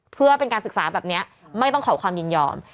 เพื่อเป็นการศึกษาแบบนี้ไม่ต้องขอความยินยอม